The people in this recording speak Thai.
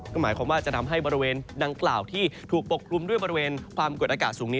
ก็หมายความว่าจะทำให้บริเวณดังกล่าวที่ถูกปกคลุมด้วยบริเวณความกดอากาศสูงนี้